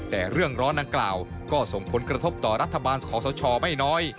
แต่เรื่องร้อนดังกล่าวก็ส่งผลกระทบต่อรัฐบาลขอสชไม่น้อย